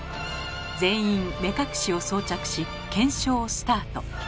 全員目隠しを装着し検証スタート。